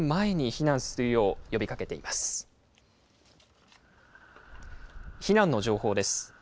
避難の情報です。